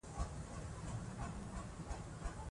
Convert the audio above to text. خپل لاسونه تل په صابون وینځئ.